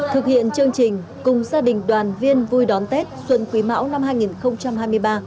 thực hiện chương trình cùng gia đình đoàn viên vui đón tết xuân quý mão năm hai nghìn hai mươi ba